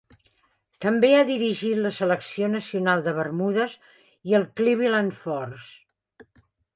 També ha dirigit la selecció nacional de Bermudes i el Cleveland Force.